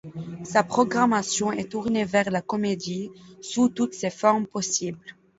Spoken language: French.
Sa programmation est tournée vers la comédie sous toutes ses formes possibles.